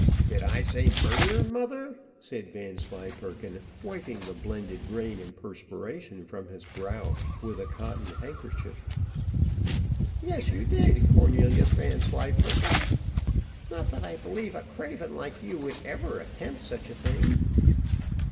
"Did I say murder, mother?" said Vanslyperken, wiping the blended rain and perspiration from his brow with a cotton handkerchief. "Yes, you did, Cornelius Vanslyperken; not that I believe a craven like you would ever attempt such a thing."